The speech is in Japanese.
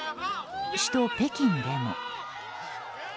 首都・北京でも。